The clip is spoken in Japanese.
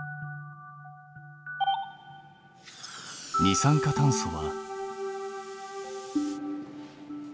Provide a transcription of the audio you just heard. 二酸化炭素は？